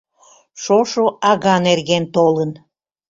Шошо ага нерген толын.